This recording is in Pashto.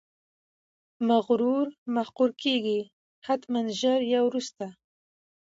مغرور مقهور کیږي، حتمأ ژر یا وروسته!